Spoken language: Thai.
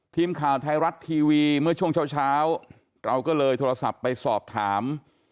ทีมข่าวไทยรัฐทีวีเมื่อช่วงเช้าเราก็เลยโทรศัพท์ไปสอบถาม